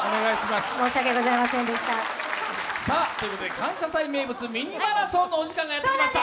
「感謝祭」名物、「ミニマラソン」のお時間がやってきました。